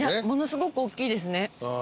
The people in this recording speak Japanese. ものすごくおっきいですね。